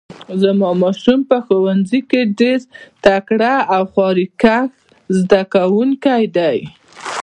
زما ماشوم په ښوونځي کې ډیر تکړه او خواریکښ زده کوونکی ده